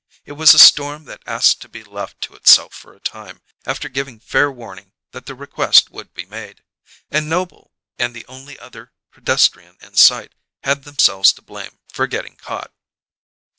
It was a storm that asked to be left to itself for a time, after giving fair warning that the request would be made; and Noble and the only other pedestrian in sight had themselves to blame for getting caught.